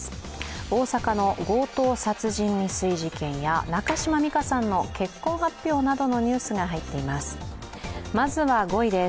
大阪の強盗殺人未遂事件や、中島美嘉さんの結婚発表などのニュースが入っています。